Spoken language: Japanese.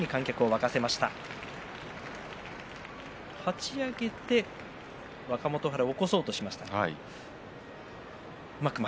かち上げて若元春を起こそうとしました。